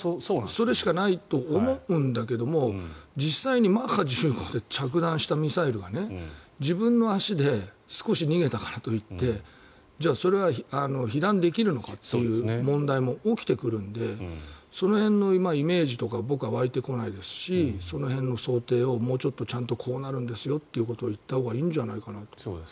それしかないと思うんだけど実際マッハ５で着弾したミサイルを自分の足で少し逃げたからといってじゃあそれは避難できるのかという問題も起きてくるのでその辺のイメージとか僕は湧いてこないですしその辺の想定をもうちょっとちゃんとこうなるんですよっていうことを言ったほうがいいんじゃないかと。